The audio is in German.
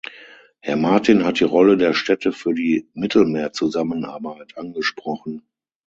Herr Martin hat die Rolle der Städte für die Mittelmeerzusammenarbeit angesprochen.